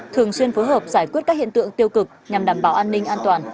thường xuyên phối hợp giải quyết các hiện tượng tiêu cực nhằm đảm bảo an ninh an toàn